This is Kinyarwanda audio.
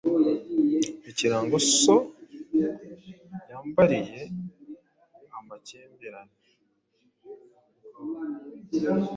Ikirango so yambariye amakimbirane